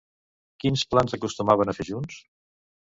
Quins plans acostumaven a fer junts?